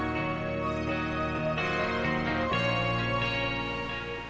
penderitaan lo bakal berakhir